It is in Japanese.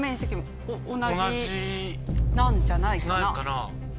なんじゃないかな。